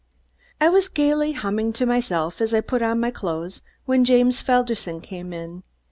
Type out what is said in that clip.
I was gaily humming to myself as I put on my clothes when James Felderson came in.